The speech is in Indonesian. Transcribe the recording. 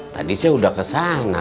tadi saya sudah kesana